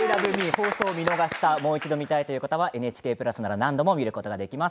放送を見逃したもう一度見たいという方はＮＨＫプラスなら何度も見ることができます。